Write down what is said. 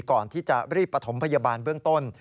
ก่อนที่จะรีบประถมพยาบาลเบื้องต้น